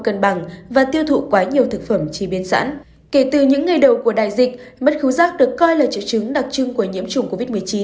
kể từ những ngày đầu của đại dịch mất khứ giác được coi là triệu chứng đặc trưng của nhiễm chủng covid một mươi chín